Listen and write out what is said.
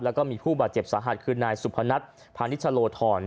แล้วก็มีผู้ประเจ็บสหัสคือนายสุภณะภานิชโชโลธรณร์